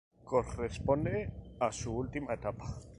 Corresponde a su última etapa.